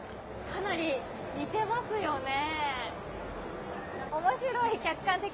かなり似てますよね。